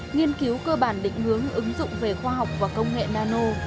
nghiên cứu cơ bản định hướng ứng dụng về khoa học và công nghệ nano